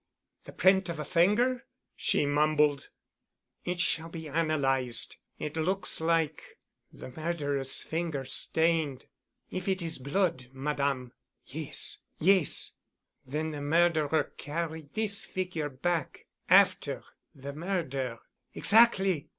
"The print of a finger?" she mumbled. "It shall be analyzed. It looks like——" "The murderer's fingers—stained——" "If it is blood, Madame——" "Yes, yes——" "Then the murderer carried this figure back—after the murder——" "Exactly.